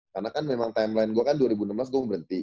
karena kan memang timeline gue kan dua ribu enam belas gue mau berhenti